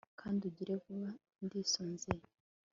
kandi ugire vuba ndisonzeye